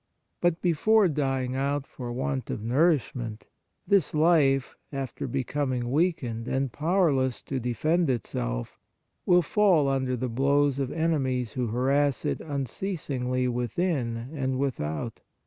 But before dying out for want of nourishment, this life, after becom ing weakened and powerless to defend itself, will fall under the blows of enemies who harass it unceasingly within and without.